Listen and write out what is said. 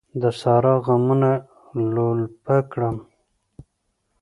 د سارا غمونو لولپه کړم.